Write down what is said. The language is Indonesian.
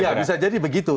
iya bisa jadi begitu